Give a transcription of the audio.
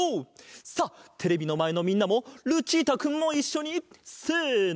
さあテレビのまえのみんなもルチータくんもいっしょにせの！